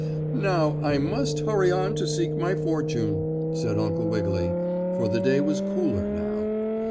"Now, I must hurry on to seek my fortune," said Uncle Wiggily, for the day was cooler now.